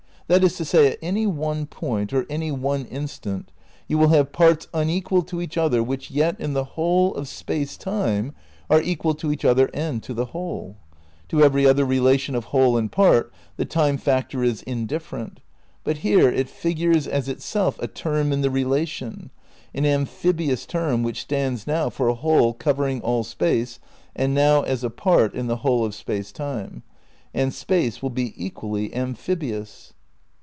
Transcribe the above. That is to say, at any one point or any one instant you will have parts unequal to each other which yet in the whole of Space Time are equal to each other and to the whole. To every other relation of whole and part the time factor is indifferent, but here it figures as itself a term in the relation, an amphibious term which stands now for a whole covering all Space and now as a part in the whole of Space Time. And Space will be equally amphibious.